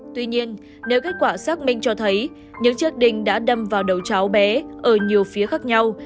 tuy nhiên nếu kết quả xác minh cho thấy những chiếc đinh đã đâm vào đầu cháu bé ở nhiều phía khác nhau